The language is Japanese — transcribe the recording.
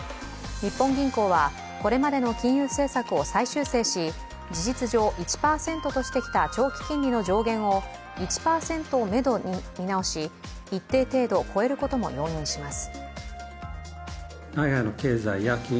日本銀行はこれまでの金融政策を再修正し、事実上１％としてきた長期金利の上限を１％をめどに見直し一定程度超えることも容認します。